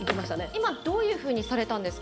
今、どういうふうにされたんですか？